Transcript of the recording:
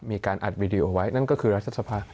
มีการอัดวีดีโอเอาไว้นั่นก็คือรัฐสภา